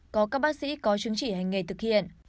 có các bác sĩ có chứng chỉ hành nghề thực hiện